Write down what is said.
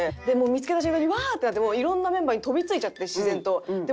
見つけた瞬間に「わあっ！」ってなって色んなメンバーに飛びついちゃって自然と。